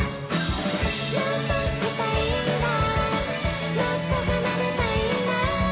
「もっと弾きたいんだもっと奏でたいんだ」